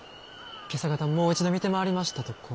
今朝方もう一度見て回りましたところ。